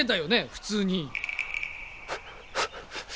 普通に。